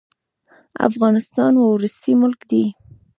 افغانستان وروستی ملک دی.